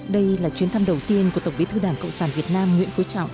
đây là chuyến thăm đầu tiên của tổng bí thư đảng cộng sản việt nam nguyễn phú trọng